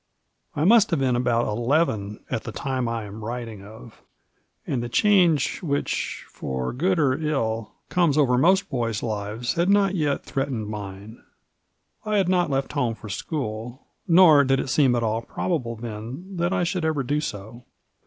I must have been abont eleven at the time I am writ ing of, and the change which — for good or ill — comes over most boys' lives had not yet threatened mine. I had not left home for school, nor did it seem at all prob able then that I should ever do so.